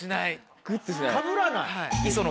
かぶらない。